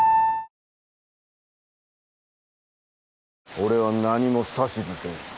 俺は何も指図せん。